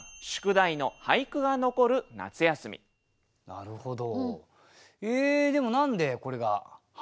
なるほど。